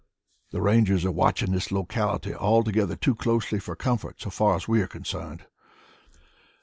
The Rangers are watching this locality altogether too closely for comfort so far as we are concerned.